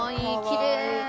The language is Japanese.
きれい。